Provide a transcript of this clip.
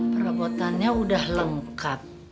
perabotannya udah lengkap